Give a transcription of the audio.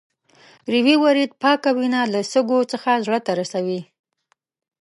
ریوي ورید پاکه وینه له سږو څخه زړه ته رسوي.